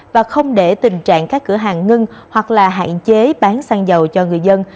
và không để tình trạng các cửa hàng ngưng hoặc là hạn chế bán xăng dầu cho người dân